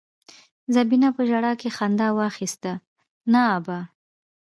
زينبه په ژړا کې خندا واخيسته: نه ابا!